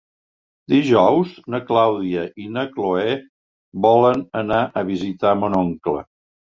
Dijous na Clàudia i na Cloè volen anar a visitar mon oncle.